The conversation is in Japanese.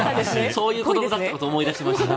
そういう子どもだったことを思い出しました。